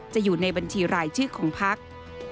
อยู่ในบัญชีรายชื่อของพัก